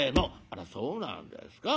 「あらそうなんですか。